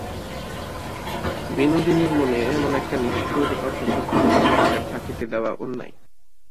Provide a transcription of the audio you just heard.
বিনোদিনীর মনে এমন-একটা নিষ্ঠুর অথচ ভুল সংস্কার থাকিতে দেওয়া অন্যায়।